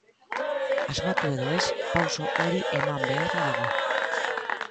Asmatu edo ez, pauso hori eman beharra dago.